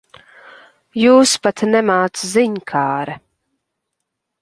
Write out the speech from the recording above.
Jūs pat nemāc ziņkāre.